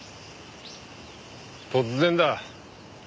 突然だ。